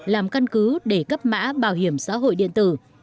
làm căn cứ để cấp mã bảo hiểm xã hội điện tử